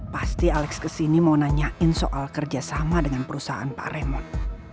pasti alex kesini mau nanyain soal kerja sama dengan perusahaan pak raymond